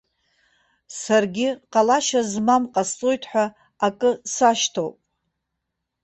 Саргьы ҟалашьа змам ҟасҵоит ҳәа акы сашьҭоуп.